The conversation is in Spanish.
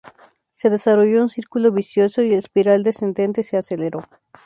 Se desarrolló un círculo vicioso y el espiral descendente se aceleró.